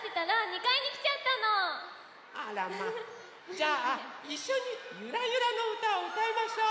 じゃあいっしょに「ゆらゆら」のうたをうたいましょう。